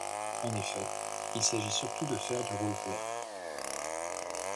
En effet, il s'agit surtout de faire du roleplay.